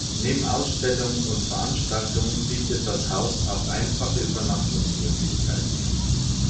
Neben Ausstellungen und Veranstaltungen bietet das Haus auch einfache Übernachtungsmöglichkeiten.